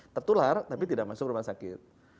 tertular tapi tidak masuk rumah sakit